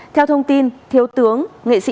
theo thông tin thiếu tướng nghệ sĩ